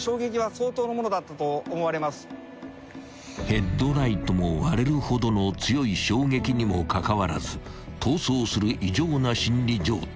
［ヘッドライトも割れるほどの強い衝撃にもかかわらず逃走する異常な心理状態］